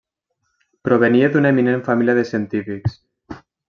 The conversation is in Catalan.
Provenia d'una eminent família de científics.